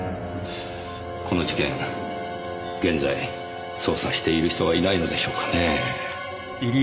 この事件現在捜査している人はいないのでしょうかねぇ。